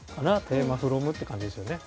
テーマフロムって感じですよね。